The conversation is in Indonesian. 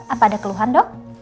apa ada keluhan dok